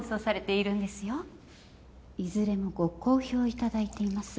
いずれもご好評頂いています。